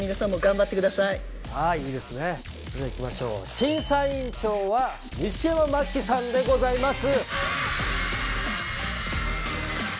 審査員長は西山茉希さんでございます。